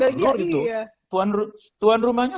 belur gitu tuan rumahnya